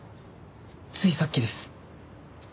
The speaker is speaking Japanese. ついさっきです。